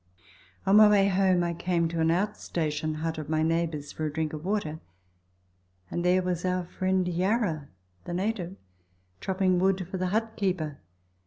On my way home I came to an out station hut of my neighbour's for a drink of water, and there was our friend Yarra, the native, chop ping wood for the hut keeper.